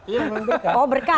iya memang berkah